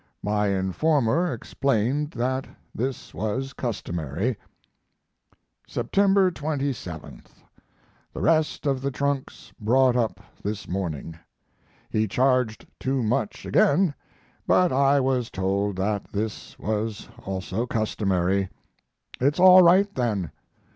My informer explained that this was customary. September 27. The rest of the trunks brought up this morning. He charged too much again, but I was told that this was also customary. It's all right, then.